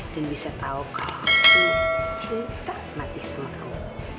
dan bisa tahu kalau aku cinta mati sama kamu